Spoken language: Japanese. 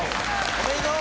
おめでとう。